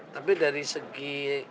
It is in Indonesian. tapi dari segi